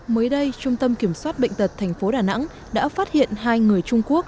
mới đây trung tâm kiểm soát bệnh tật thành phố đà nẵng đã phát hiện hai người trung quốc